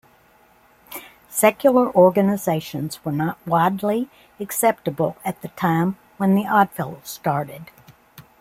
Secular organizations were not widely acceptable at the time when the Odd Fellows started.